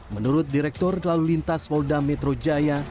menurut direktur lalu lintas polda metro jaya